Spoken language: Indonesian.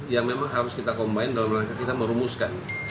yang memang harus kita kombain dalam langkah kita merumuskan